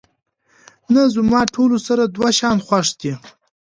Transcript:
نه، زما ټول سره دوه شیان خوښ دي.